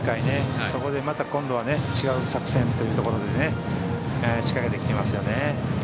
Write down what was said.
そこでまた今度は違う作戦ということで仕掛けていきますよね。